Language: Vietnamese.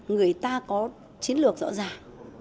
người ta có chiến lược rõ ràng